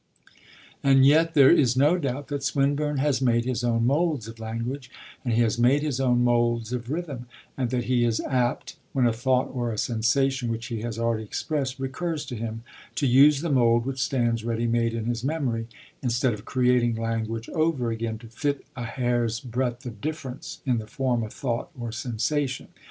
And yet there is no doubt that Swinburne has made his own moulds of language, as he has made his own moulds of rhythm, and that he is apt, when a thought or a sensation which he has already expressed recurs to him, to use the mould which stands ready made in his memory, instead of creating language over again, to fit a hair's breadth of difference in the form of thought or sensation.